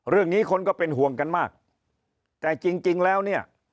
เรื่องนี้คนก็เป็นห่วงกันมากแต่จริงจริงแล้วเนี่ย